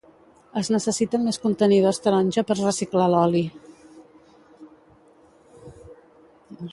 Es necessiten més contenidors taronja per reciclar l'oli